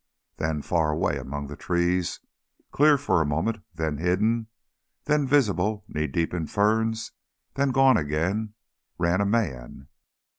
Then, far away among the trees, clear for a moment, then hidden, then visible knee deep in ferns, then gone again, ran a man.